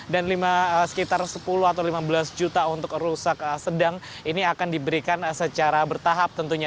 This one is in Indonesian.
dan sekitar sepuluh atau lima belas juta untuk rusak sedang ini akan diberikan secara bertahap tentunya